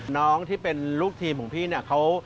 น้องที่เป็นลูกทีมของพี่เนี่ย